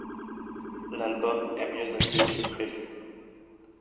L'album est mieux accueilli que prévu.